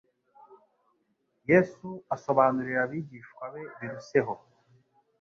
Yesu asobanurira abigishwa be biruseho,